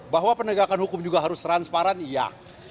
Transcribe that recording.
bahwa penegakan hukum juga harus transparan iya